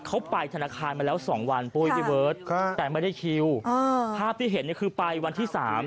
เขาไปธนาคารมาแล้วสองวันค่ะแต่ไม่ได้คิวเออภาพที่เห็นเนี่ยคือไปวันที่สาม